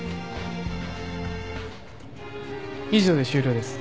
以上で終了です。